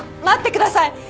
待ってください！